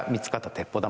鉄砲玉？